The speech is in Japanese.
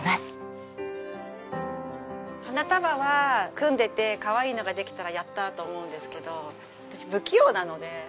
花束は組んでてかわいいのができたらやった！と思うんですけど私不器用なので。